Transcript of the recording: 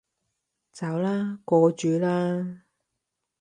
走啦，過主啦